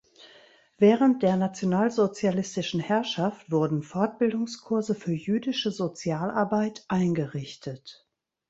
Während der nationalsozialistischen Herrschaft wurden Fortbildungskurse für jüdische Sozialarbeit eingerichtet.